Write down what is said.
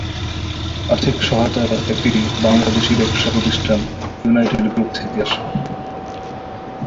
আর্থিক সহায়তা একটি বাংলাদেশী ব্যবসা প্রতিষ্ঠান ইউনাইটেড গ্রুপ থেকে আসে।